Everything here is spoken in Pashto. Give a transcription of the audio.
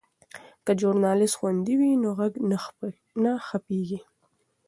که ژورنالیست خوندي وي نو غږ نه خپیږي.